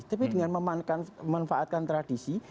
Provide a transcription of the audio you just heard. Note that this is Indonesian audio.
tapi dengan memanfaatkan tradisi